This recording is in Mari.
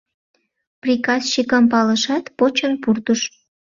Приказчикым палышат, почын пуртыш.